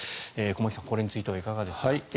駒木さん、これについてはいかがですか？